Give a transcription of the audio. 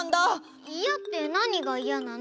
いやってなにがいやなの？